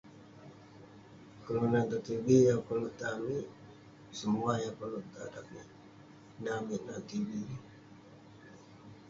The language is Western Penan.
kelunan tong tv yah koluk tan amik, semuah yah koluk tan amik..ineh amik tan tv